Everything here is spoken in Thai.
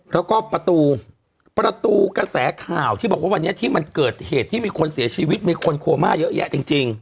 แล้วก็ประตูประตูกระแสข่าวที่บอกว่าวันนี้ที่มันเกิดเหตุที่มีคนเสียชีวิตมีคนโคม่าเยอะแยะจริง